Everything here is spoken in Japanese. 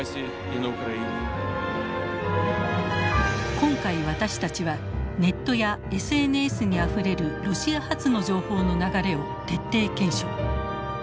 今回私たちはネットやＳＮＳにあふれるロシア発の情報の流れを徹底検証。